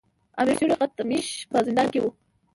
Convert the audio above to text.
امیر سیورغتمیش په زندان کې وو.